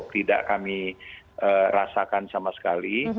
tidak kami rasakan sama sekali